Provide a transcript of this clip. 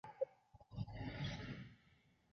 及后小牛队把他交易至圣安东尼奥马刺队。